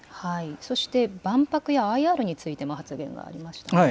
そして、万博やＩＲについても発言がありましたね。